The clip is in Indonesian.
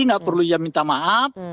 nggak perlu ya minta maaf